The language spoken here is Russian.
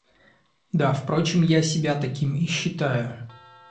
Да, впрочем, я себя таким и считаю.